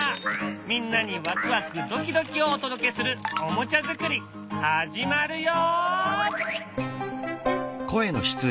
みんなにワクワクドキドキをお届けするおもちゃ作り始まるよ！